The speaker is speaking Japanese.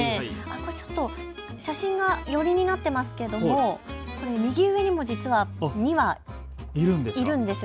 ちょっと写真が寄りになってますけれどもこれ右上にも実は２羽いるんです。